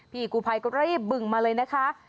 พี่กูภัยก็รีบบึงมาเลยนะคะ